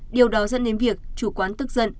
điều đó dẫn đến việc chủ quán tức giận